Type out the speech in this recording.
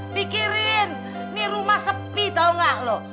pikirin ini rumah sepi tau gak lo